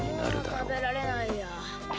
もう食べられないや。